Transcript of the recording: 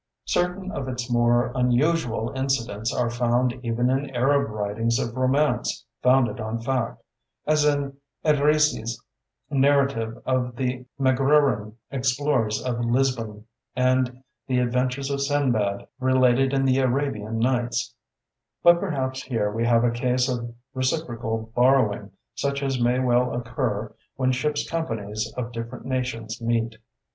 Certain of its more unusual incidents are found even in Arab writings of romance founded on fact, as in Edrisi's narrative of the Magrurin explorers of Lisbon and the adventures of Sinbad related in the Arabian Nights; but perhaps here we have a case of reciprocal borrowing such as may well occur when ships' companies of different nations meet.